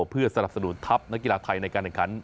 เพื่อสนับสนุนทัพนักกีฬาไทยในการแข่งขัน